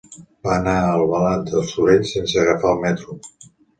Va anar a Albalat dels Sorells sense agafar el metro.